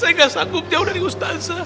saya gak sanggup jauh dari ustaz